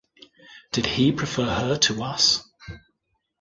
Did he prefer her to us?